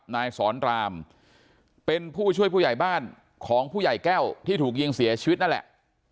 นายสอนรามเป็นผู้ช่วยผู้ใหญ่บ้านของผู้ใหญ่แก้วที่ถูกยิงเสียชีวิตนั่นแหละ